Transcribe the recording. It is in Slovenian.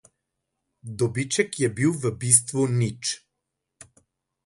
Dobiček je bil v bistvu nič.